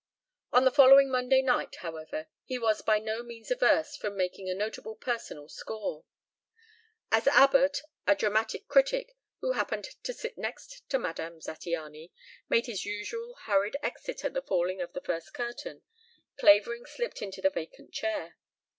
On the following Monday night, however, he was by no means averse from making a notable personal score. As Abbott, a dramatic critic, who happened to sit next to Madame Zattiany, made his usual hurried exit at the falling of the first curtain Clavering slipped into the vacant chair.